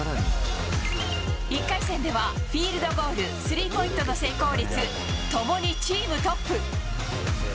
１回戦ではフィールドゴール、スリーポイントの成功率ともにチームトップ。